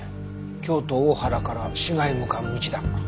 京都大原から滋賀へ向かう道だ。